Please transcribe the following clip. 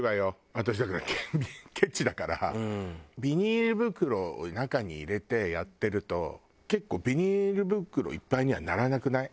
私だからケチだからビニール袋を中に入れてやってると結構ビニール袋いっぱいにはならなくない？